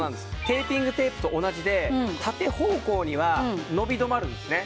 テーピングテープと同じで縦方向には伸び止まるんですね。